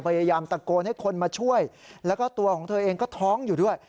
พยายามตะโกนให้คนมาช่วยแล้วก็ตัวของเธอเองก็ท้องอยู่ด้วย